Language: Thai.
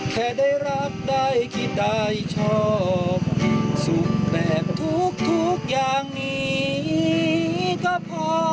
แค่ได้รักได้คิดได้ชอบสุขแบบทุกอย่างนี้ก็พอ